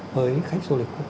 với khách du lịch quốc tế